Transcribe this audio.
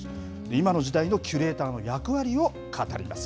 今の時代のキュレーターの役割を語ります。